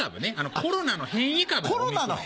コロナの変異株ですか！